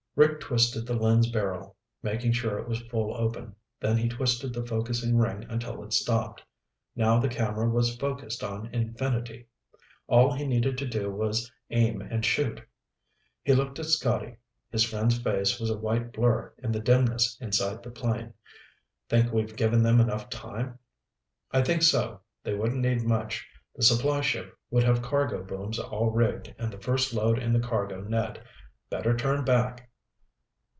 Rick twisted the lens barrel, making sure it was full open, then he twisted the focusing ring until it stopped. Now the camera was focused on infinity. All he needed to do was aim and shoot. He looked at Scotty. His friend's face was a white blur in the dimness inside the plane. "Think we've given them enough time?" "I think so. They wouldn't need much. The supply ship would have cargo booms all rigged and the first load in the cargo net. Better turn back."